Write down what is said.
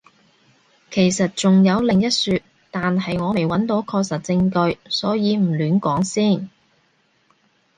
其實仲有另一說，但係我未揾到確實證據，所以唔亂講先